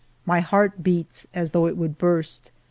My heart beats as though it would burst.